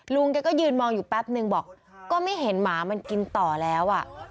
ลุงแกก็ยืนมองอยู่แป๊บนึงบอกก็ไม่เห็นหมามันกินต่อแล้วอ่ะ